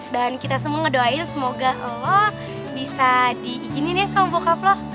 dan kita semua ngedoain semoga lo bisa diizinin ya sama bokap lo